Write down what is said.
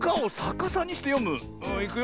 いくよ。